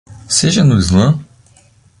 Seja no Islã?